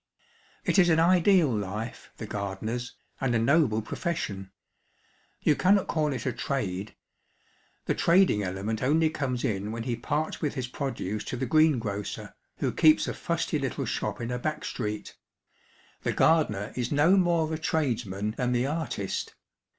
It is an ideal life, the gardener's, and a noble profession. You cannot call it a trade. The trading element only comes in when he parts with his produce to the greengrocer, who keeps a fusty little shop in a back street. The gardener is no more a tradesman than the artist.